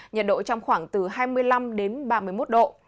nhiệt độ trong khoảng từ hai mươi năm đến ba mươi một độ